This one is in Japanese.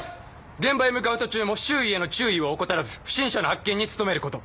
現場へ向かう途中も周囲への注意を怠らず不審者の発見に努めること。